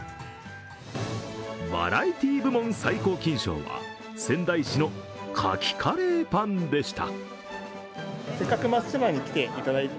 バラエティー部門最高金賞は仙台市の牡蠣カレーパンでした。